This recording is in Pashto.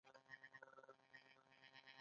دا نورو معیوب ګڼل دي.